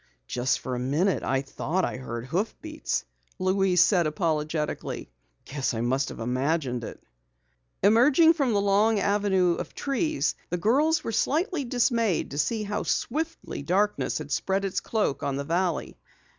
"Just for a minute I thought I heard hoofbeats," Louise said apologetically. "Guess I must have imagined it." Emerging from the long avenue of trees, the girls were slightly dismayed to see how swiftly darkness had spread its cloak on the valley.